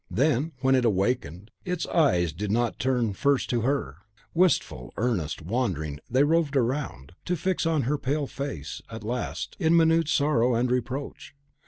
Then, when it waked, its eyes did not turn first to HER, wistful, earnest, wandering, they roved around, to fix on her pale face, at last, in mute sorrow and reproach.